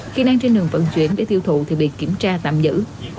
khi đang trên đường vận chuyển để tiêu thụ thì bị kiểm tra tạm giữ